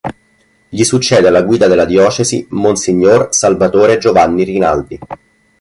Gli succede alla guida della diocesi mons. Salvatore Giovanni Rinaldi.